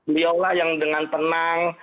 beliau lah yang dengan tenang